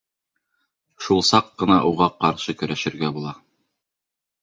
Шул саҡ ҡына уға ҡаршы көрәшергә була.